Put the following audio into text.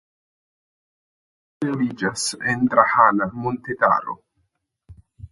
Ĝi troviĝas en Drahana montetaro.